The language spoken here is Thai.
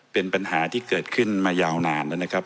เป็นปัญหาที่เกิดขึ้นมายาวนานแล้วนะครับ